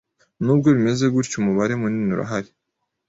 Nubwo bimeze gurtyo umubare munini urahari